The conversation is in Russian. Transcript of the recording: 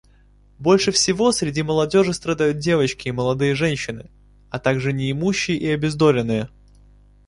Больше всего среди молодежи страдают девочки и молодые женщины, а также неимущие и обездоленные.